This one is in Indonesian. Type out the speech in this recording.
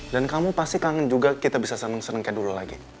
dan kamu pasti kangen juga kita bisa seneng seneng kayak dulu lagi